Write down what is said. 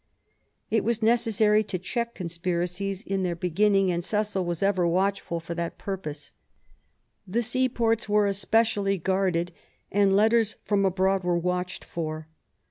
It was necessary to check 142 QUEEN ELIZABETH, conspiracies in their beginning, and Cecil was ever watchful for that purpose. The seaports were especi ally guarded, and letters from abroad were watched for.